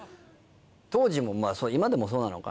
当時もまあ今でもそうなのかな？